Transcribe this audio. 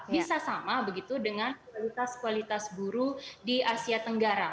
bisa sama begitu dengan kualitas kualitas buruh di asia tenggara